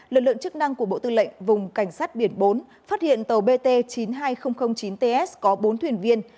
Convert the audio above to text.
lực lượng chức năng của bộ tư lệnh vùng cảnh sát biển bốn phát hiện tàu bt chín mươi hai nghìn chín ts có bốn thuyền viên